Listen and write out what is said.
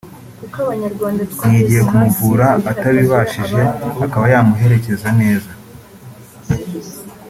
n’igihe kumuvura atabibashije akaba yamuherekeza neza